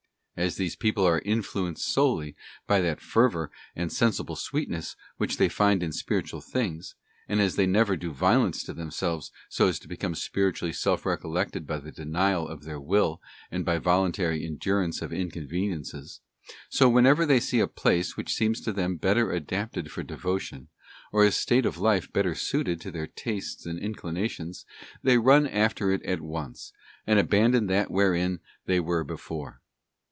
As these people are influenced solely by that fer vour and sensible sweetness which they find in spiritual things, and as they never do violence to themselves so as to become spiritually self recollected by the denial of their will and by voluntary endurance of inconveniences; so whenever they see a place which seems to them better adapted for devotion, or a state of life better suited to their tastes and inclinations, they run after it at once, and abandon that wherein they were before.